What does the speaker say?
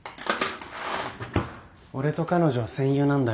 俺と彼女は戦友なんだよ。